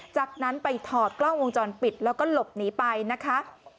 จากนั้นไปถอดกล้องวงจรปิดแล้วก็หลบหนีไปนะคะ